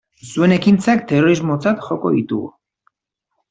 Zuen ekintzak terrorismotzat joko ditugu.